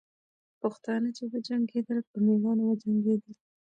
پښتانه چې وجنګېدل، په میړانه وجنګېدل.